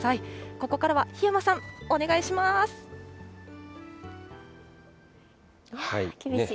ここからは檜山さん、お願いしま厳しい。